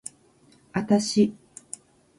あたし